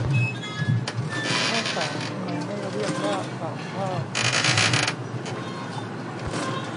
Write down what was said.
ข้าวสาร ทำไมไม่เรียกว่าสารข้าว